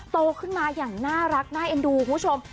โตขึ้นมาอย่างน่ารักน่าเอ็นดูคุณผู้ชม